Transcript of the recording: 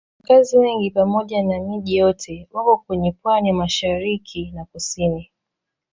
Wakazi wengi pamoja na miji yote wako kwenye pwani ya mashariki na kusini.